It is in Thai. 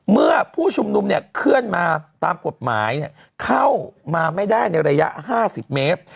เมื่อผู้ชุมนุมเนี่ยเคลื่อนมาตามกฎหมายเข้ามาไม่ได้ในระยะ๕๐เมตร